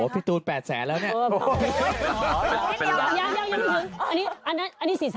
พี่ทุ้นนี่จะวิ่งอีกไหมครับ